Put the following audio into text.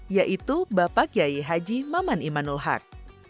yaitu bapak kiai haji maman imanul haq